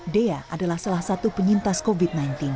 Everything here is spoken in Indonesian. dea adalah salah satu penyintas covid sembilan belas